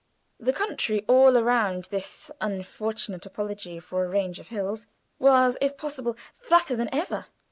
The country all around this unfortunate apology for a range of hills was, if possible, flatter than ever.